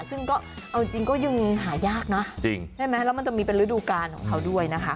ซึ่งก็เอาจริงก็ยังหายากนะจริงใช่ไหมแล้วมันจะมีเป็นฤดูการของเขาด้วยนะคะ